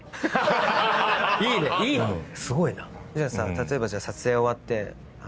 例えば撮影終わって。